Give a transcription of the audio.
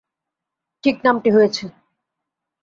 ঠিক নামটি হয়েছে।